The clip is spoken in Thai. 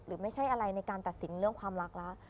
ไม่ใช่อะไรในการตัดสินเรื่องความรักแล้ว